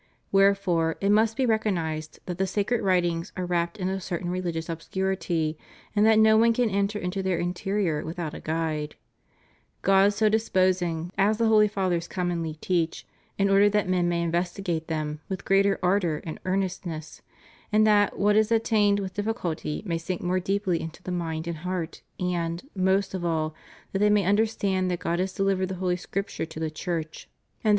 Wherefore, it must be recognized that the sacred writ ings are wrapped in a certain religious obscurity, and that no one can enter into their interior without a guide;* God so disposing, as the holy Fathers commonly teach, in order that men may investigate them with greater ardor and earnestness, and that what is attained with difficulty may sink more deeply into the mind and heart, and, most of all, that they may understand that God has dehvered the Holy Scripture to the Church, and that in ^ S.